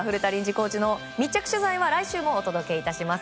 コーチの密着取材は来週もお伝えします。